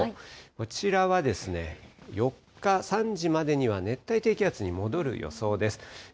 こちらは、４日３時までには熱帯低気圧に戻る予想です。